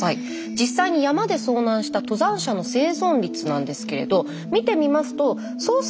実際に山で遭難した登山者の生存率なんですけれど見てみますと捜索